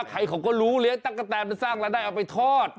ใครเขาก็รู้เลี้ยตะกะแตนมันสร้างรายได้เอาไปทอด